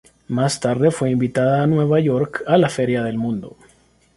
Más tarde fue invitada a Nueva York, a la Feria del Mundo.